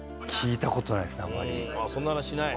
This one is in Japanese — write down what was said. そんな話しない？